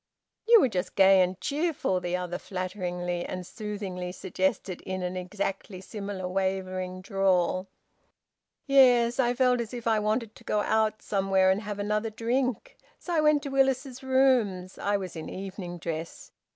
"You were just gay and cheerful," the other flatteringly and soothingly suggested, in an exactly similar wavering drawl. "Yes. I felt as if I wanted to go out somewhere and have another drink. So I went to Willis's Rooms. I was in evening dress.